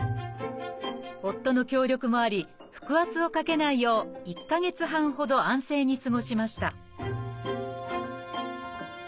夫の協力もあり腹圧をかけないよう１か月半ほど安静に過ごしました